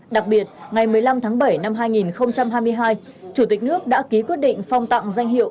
đặc biệt ngày một mươi năm tháng bảy năm hai nghìn hai mươi hai chủ tịch nước đã ký quyết định phong tặng danh hiệu